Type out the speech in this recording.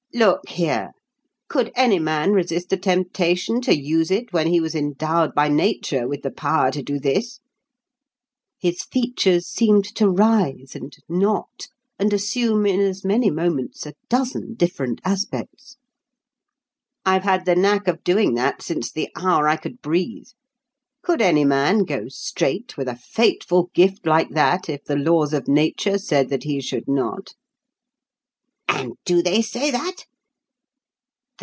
"Look here! Could any man resist the temptation to use it when he was endowed by Nature with the power to do this?" His features seemed to writhe and knot and assume in as many moments a dozen different aspects. "I've had the knack of doing that since the hour I could breathe. Could any man 'go straight' with a fateful gift like that if the laws of Nature said that he should not?" "And do they say that?"